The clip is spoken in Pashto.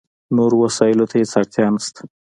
نورو وسایلو ته هېڅ اړتیا نشته.